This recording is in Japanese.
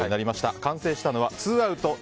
完成したのは２アウト２